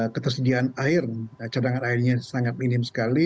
ketersediaan air cadangan airnya sangat minim sekali